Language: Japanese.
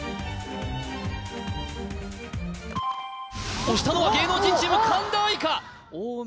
押したのは芸能人チーム神田愛花大道